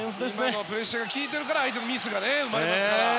今のプッシュが効いてるから相手のミスが生まれましたからね。